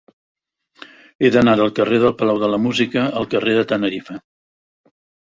He d'anar del carrer del Palau de la Música al carrer de Tenerife.